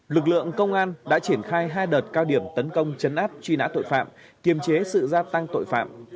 lực lượng công an đã triển khai hai đợt cao điểm tấn công chấn áp truy nã tội phạm kiềm chế sự gia tăng tội phạm